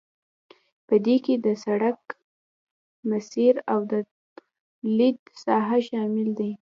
په دې کې د سرک مسیر او د لید ساحه شامل دي